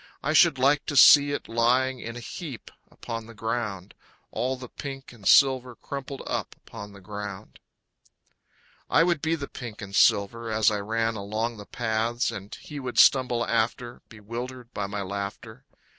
I should like to see it lying in a heap upon the ground. All the pink and silver crumpled up upon the ground. I would be the pink and silver as I ran along the paths, And he would stumble after, Bewildered by my laughter.